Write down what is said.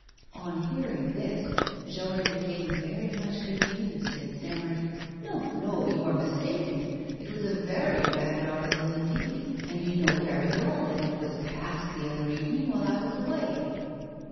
On hearing this, Jory became very much confused and stammered: 'No, no! you are mistaken! It was a very bad article indeed, and you know very well that it was "passed" the other evening while I was away.